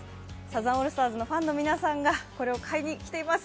サザンオールスターズのファンの皆さんがこれを買いに来ています。